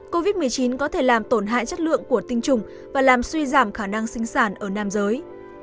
covid một mươi chín có thể làm tổn hại chất lượng của tinh trùng và làm suy giảm khả năng sinh sản ở nam giới